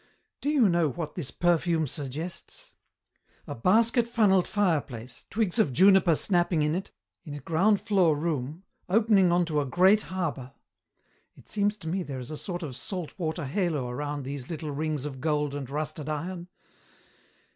"Do you know what this perfume suggests? A basket funnelled fireplace, twigs of juniper snapping in it, in a ground floor room opening on to a great harbour. It seems to me there is a sort of salt water halo around these little rings of gold and rusted iron.